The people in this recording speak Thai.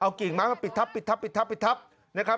เอากิ่งมาปิดทับ